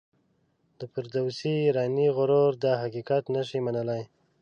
د فردوسي ایرانی غرور دا حقیقت نه شي منلای.